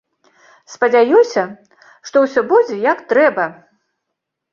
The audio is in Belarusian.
Спадзяюся, што ўсё будзе, як трэба!